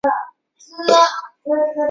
马勒维勒。